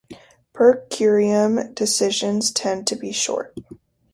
"Per curiam" decisions tend to be short.